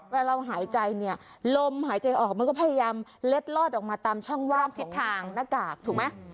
เวลาเราหายใจเนี่ยลมหายใจออกมันก็พยายามเล็ดลอดออกมาตามช่องว่างทิศทางหน้ากากถูกไหม